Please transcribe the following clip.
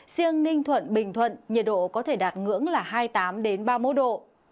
riêng ninh thuận bình thuận nhiệt độ có thể đạt ngưỡng hai mươi tám đến ba mươi một độ